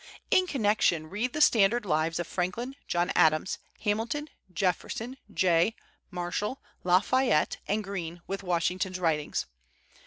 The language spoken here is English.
In connection read the standard lives of Franklin, John Adams, Hamilton, Jefferson, Jay, Marshall, La Fayette, and Greene, with Washington's writings.